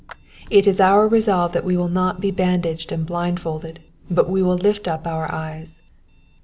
It is our resolve that we will not be bandaged and blindfolded, but will lift up our eyes.